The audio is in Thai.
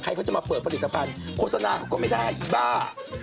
เขาจะมาเปิดผลิตภัณฑ์โฆษณาเขาก็ไม่ได้อีบ้า